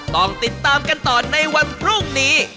ต้องติดตามกันต่อในวันพรุ่งนี้